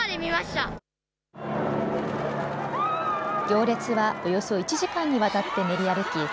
行列はおよそ１時間にわたって練り歩き